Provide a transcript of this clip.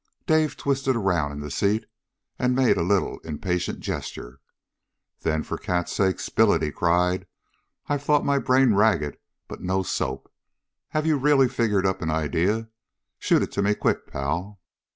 Dawson twisted around in the seat, and made a little impatient gesture. "Then for cat's sake spill it!" he cried. "I've thought my brain ragged, but no soap. Have you really figured up an idea? Shoot it to me quick, pal."